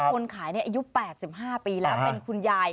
คนขายอายุ๘๕ปีแล้วเป็นคุณยาย